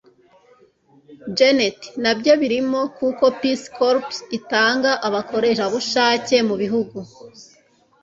janet na byo birimo, kuko peace corps itanga abakorerabushake mu bihugu